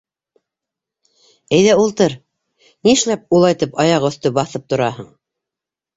Әйҙә, ултыр, ни эшләп улайтып аяҡ өҫтө баҫып тораһың?